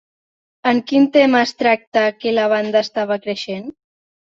En quin tema es tracta que la banda estava creixent?